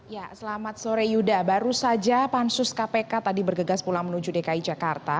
ya selamat sore yuda baru saja pansus kpk tadi bergegas pulang menuju dki jakarta